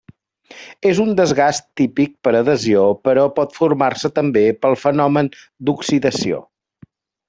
És un desgast típic per adhesió però pot formar-se també, pel fenomen d'oxidació.